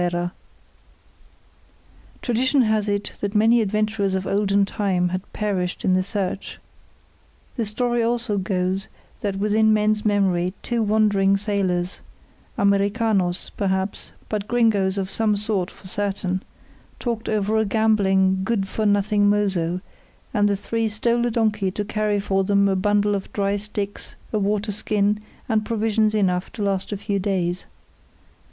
Tradition has it that many adventurers of olden time had perished in the search. The story goes also that within men's memory two wandering sailors Americanos, perhaps, but gringos of some sort for certain talked over a gambling, good for nothing mozo, and the three stole a donkey to carry for them a bundle of dry sticks, a water skin, and provisions enough to last a few days.